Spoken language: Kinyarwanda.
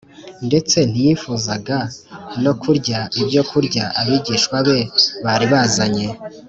ndetse ntiyifuzaga no kurya ibyokurya abigishwa be bari bazanye